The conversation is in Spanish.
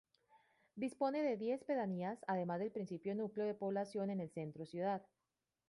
Dispone de diez pedanías además del principal núcleo de población en el centro ciudad.